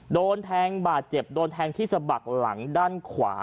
โดนแทงบาดเจ็บโดนแทงที่สะบักหลังด้านขวา